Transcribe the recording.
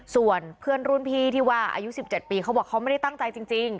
ส่วนเพื่อนรุ่นพี่ที่ว่าอายุ๑๗ปีเขาบอกเขาไม่ได้ตั้งใจจริง